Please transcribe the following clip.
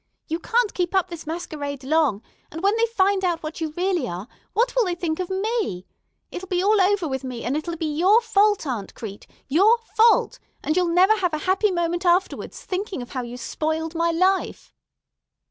You can't keep up this masquerade long; and, when they find out what you really are, what will they think of me? It'll be all over with me, and it'll be your fault, Aunt Crete, your fault, and you'll never have a happy moment afterwards, thinking of how you spoiled my life."